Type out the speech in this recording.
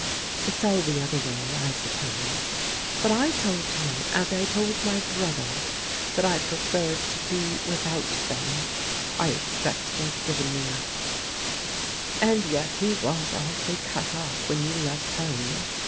It's all the other way, I suppose. But I told him, as I told my brother, that I preferred to be without them. I expect they've given me up." Ill THE "GOOD FEIBND 213 And yet he was awfully cut up when you left home.